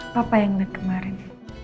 papa yang nge read kemarin